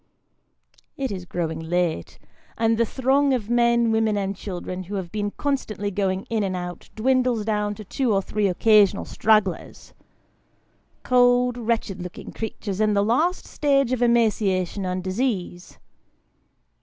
It is growing late, and the throng of men, women, and children, who have been constantly going in and out, dwindles down to two or three occasional stragglers cold, wretched looking creatures, in the last stage of emaciation and disease.